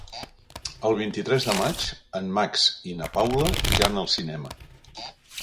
El vint-i-tres de maig en Max i na Paula iran al cinema.